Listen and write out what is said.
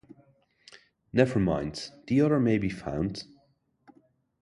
Never mind, the other may be found.